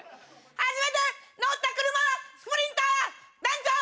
初めて乗った車はスプリンター！